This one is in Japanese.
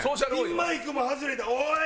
ピンマイクも外れておい！